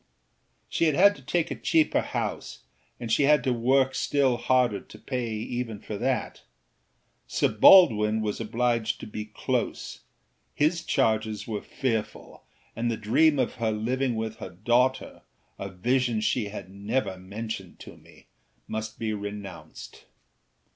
She had had to take a cheaper house and she had to work still harder to pay even for that. Sir Baldwin was obliged to be close; his charges were fearful, and the dream of her living with her daughter (a vision she had never mentioned to me) must be renounced.